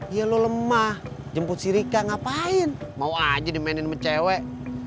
iya lu lemah jemput si rika ngapain mau aja dimainin sama cewek